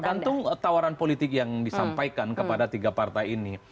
tergantung tawaran politik yang disampaikan kepada tiga partai ini